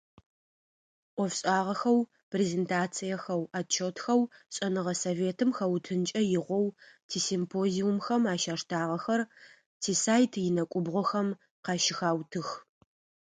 Ӏофшӏагъэхэу, презентациехэу, отчётхэу шӏэныгъэ советым хэутынкӏэ игъоу тисимпозиумхэм ащаштагъэхэр, тисайт инэкӏубгъохэм къащыхаутых.